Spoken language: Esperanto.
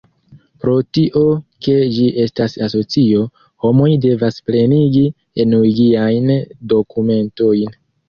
Pro tio ke ĝi estas asocio, homoj devas plenigi enuigajn dokumentojn.